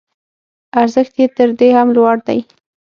ارزښت یې تر دې هم لوړ دی.